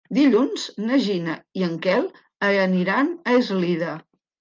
Dilluns na Gina i en Quel aniran a Eslida.